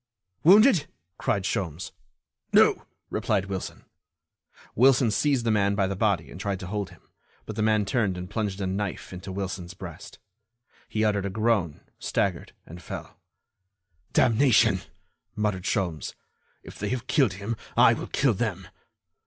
"Wounded?" cried Sholmes. "No," replied Wilson. Wilson seized the man by the body and tried to hold him, but the man turned and plunged a knife into Wilson's breast. He uttered a groan, staggered and fell. "Damnation!" muttered Sholmes, "if they have killed him I will kill them."